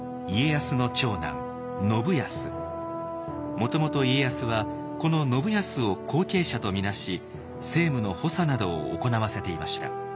もともと家康はこの信康を後継者と見なし政務の補佐などを行わせていました。